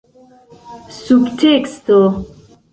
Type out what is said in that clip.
subteksto